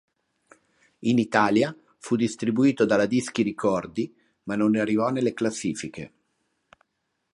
In Italia fu distribuito dalla Dischi Ricordi, ma non arrivò nelle classifiche.